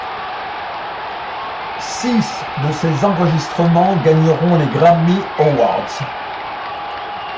Six de ses enregistrements gagneront les Grammy Awards.